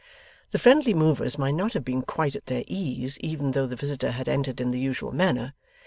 The friendly movers might not have been quite at their ease, even though the visitor had entered in the usual manner.